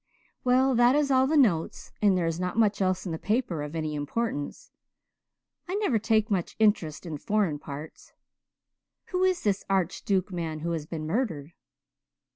Well, that is all the notes and there is not much else in the paper of any importance. I never take much interest in foreign parts. Who is this Archduke man who has been murdered?"